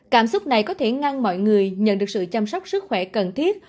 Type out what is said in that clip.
cảm xúc này có thể ngăn mọi người nhận được sự chăm sóc sức khỏe cần thiết